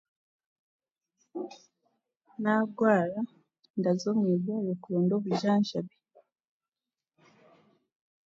Naagwara, ndaza omu irwariro kuronda obujanjabi.